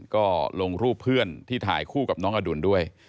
ก็ลงรูปเพื่อนที่ถ่ายคู่กับน้องอดุลด้วย